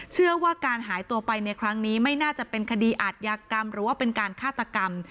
เชื่อว่าการหายตัวไปในครั้งนี้ไม่น่าจะเป็นคดีอาทยากรรมหรือว่าเป็นการฆาตกรรม